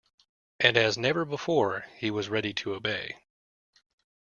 And as never before, he was ready to obey.